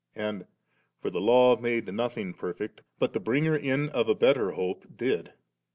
And, *For the Law made nothing perfect, but the bringing in of a better hope did.'